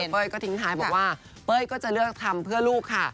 เป้ยก็บอกว่าเป้ยก็จะเลือกทำเพื่อลูกค่ะ